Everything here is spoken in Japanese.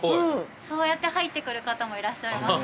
そうやって入ってくる方もいらっしゃいます。